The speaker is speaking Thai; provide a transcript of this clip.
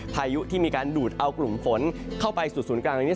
พายุที่มีการดูดเอากลุ่มฝนเข้าไปสู่ศูนย์กลางตรงนี้